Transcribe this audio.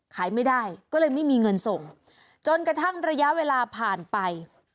ขายไม่ได้ก็เลยไม่มีเงินส่งจนกระทั่งระยะเวลาผ่านไป